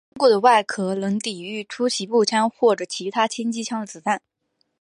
他坚固的外壳能抵御突袭步枪或者其他轻机枪的子弹。